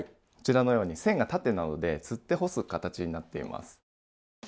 こちらのように線が縦なのでつって干す形になっています。